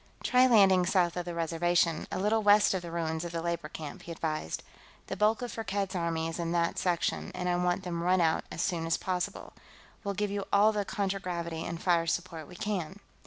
"Try landing south of the Reservation, a little west of the ruins of the labor camp," he advised. "The bulk of Firkked's army is in that section, and I want them run out as soon as possible. We'll give you all the contragravity and fire support we can."